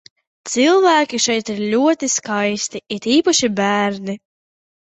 Cilvēki šeit ir ļoti skaisti, it īpaši bērni.